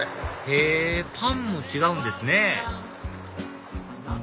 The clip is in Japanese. へぇパンも違うんですね